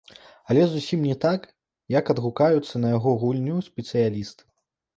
Але зусім не так, як адгукаюцца на яго гульню спецыялісты.